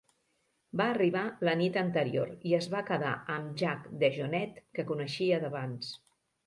Va arribar la nit anterior, i es va quedar amb Jack DeJohnette, que coneixia d'abans.